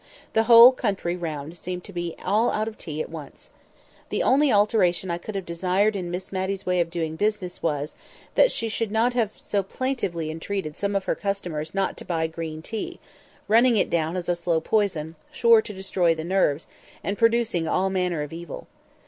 The whole country round seemed to be all out of tea at once. The only alteration I could have desired in Miss Matty's way of doing business was, that she should not have so plaintively entreated some of her customers not to buy green tea—running it down as a slow poison, sure to destroy the nerves, and produce all manner of evil.